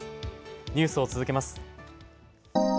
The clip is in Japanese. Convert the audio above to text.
ニュースを続けます。